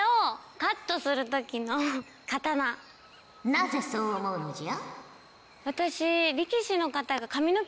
なぜそう思うのじゃ？